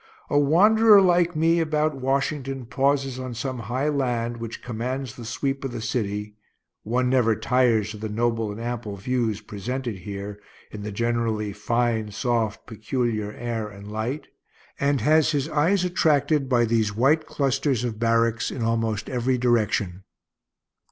A wanderer like me about Washington pauses on some high land which commands the sweep of the city (one never tires of the noble and ample views presented here, in the generally fine, soft, peculiar air and light), and has his eyes attracted by these white clusters of barracks in almost every direction.